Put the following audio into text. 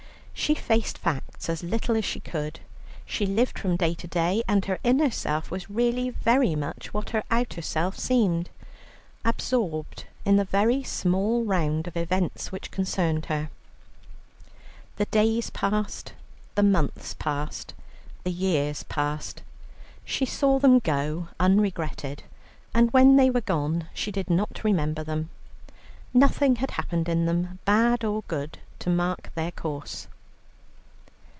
She faced facts as little as she could. She lived from day to day, and her inner self was really very much what her outer self seemed, absorbed in the very small round of events which concerned her. The days passed, the months passed, the years passed. She saw them go unregretted, and when they were gone, she did not remember them. Nothing had happened in them, bad or good, to mark their course.